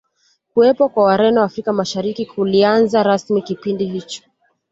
Kuwepo kwa Wareno Afrika Mashariki kulianza rasmi kipindi hicho